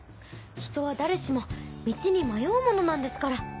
人は誰しも道に迷うものなんですから。